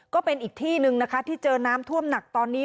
ก็เป็นอีกที่หนึ่งนะคะที่เจอน้ำท่วมหนักตอนนี้